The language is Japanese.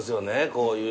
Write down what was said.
こういう。